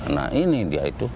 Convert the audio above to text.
nah ini dia itu